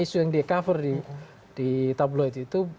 isu yang di cover di tabloid itu